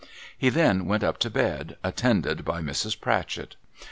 He then went up to bed, attended by Mrs. Pratchett.